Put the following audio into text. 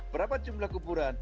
berapa jumlah kuburan